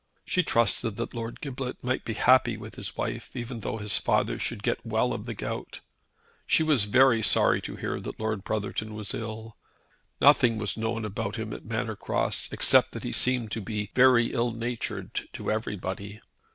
She trusted that Lord Giblet might be happy with his wife, even though his father should get well of the gout. She was very sorry to hear that Lord Brotherton was ill. Nothing was known about him at Manor Cross, except that he seemed to be very ill natured to everybody.